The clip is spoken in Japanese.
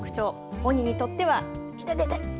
鬼にとってはいててて！